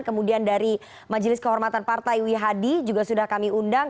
kemudian dari majelis kehormatan partai wihadi juga sudah kami undang